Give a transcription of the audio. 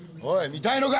見たいのか！